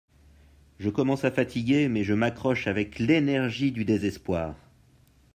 Je commence à fatiguer mais je m'accroche avec l'énergie du désespoir